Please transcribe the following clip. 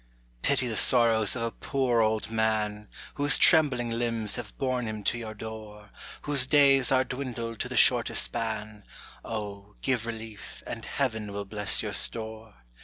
Pity the sorrows of a poor old man! Whose trembling limbs have borne him to your door, Whose days are dwindled to the shortest span, O, give relief, and Heaven will bless your store.